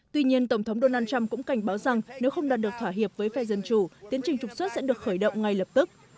tuy nhiên tổng thống donald trump cũng cảnh báo rằng nếu không đạt được thỏa hiệp với phe dân chủ tiến trình trục xuất sẽ được khởi động ngay lập tức